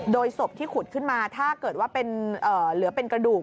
โดยศพที่ขุดขึ้นมาถ้าเกิดว่าเหลือเป็นกระดูก